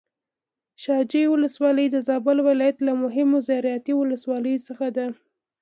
شاه جوی ولسوالي د زابل ولايت له مهمو زراعتي ولسواليو څخه ده.